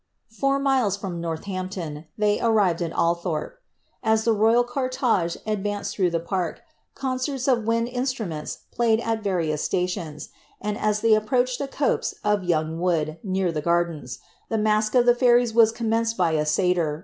Foui miles from Northampton, ihey arrived at Aiihorpe. As the royal ciir tege advanced ihroujjh the park, concerts of wind instruments playeJ a; various flalions; and as ihey approached a copse of young wood bw. the gardens, the Mosque of the Fairies was commenced by a siiyr.